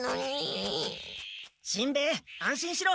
しんべヱ安心しろ。